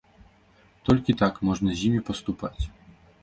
Толькі так можна з імі паступаць.